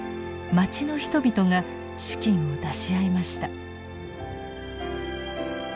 町の人々が資金を出し合いました。